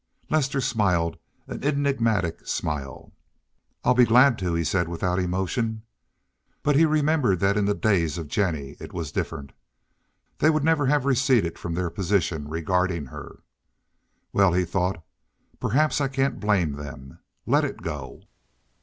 Lester smiled an enigmatic smile. "I'll be glad to," he said, without emotion. But he remembered that in the days of Jennie it was different. They would never have receded from their position regarding her. "Well," he thought, "perhaps I can't blame them. Let it go."